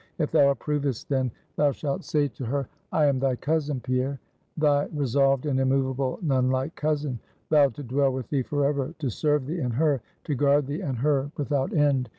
If thou approvest then, thou shalt say to her, I am thy cousin, Pierre; thy resolved and immovable nun like cousin; vowed to dwell with thee forever; to serve thee and her, to guard thee and her without end.